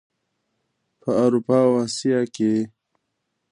په اروپا او اسیا کې.